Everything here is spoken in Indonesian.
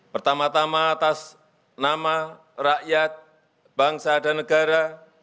pertama tama atas nama rakyat bangsa dan negara